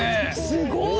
すごい。